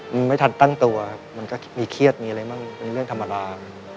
มันไม่ทันตั้งตัวครับมันก็มีเครียดมีอะไรมั่งเป็นเรื่องธรรมดา